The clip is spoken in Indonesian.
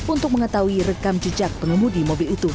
untuk mengetahui rekam jejak pengemudi mobil itu